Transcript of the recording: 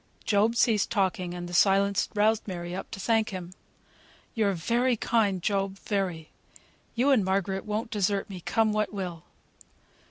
Job ceased talking, and the silence roused Mary up to thank him. "You're very kind, Job; very. You and Margaret won't desert me, come what will."